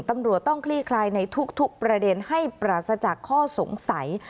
ตำรวจต้องคลี่คลายในทุกประเด็นให้ปราศจากข้อสงสัย